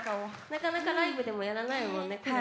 なかなかライブでもやらないもんね。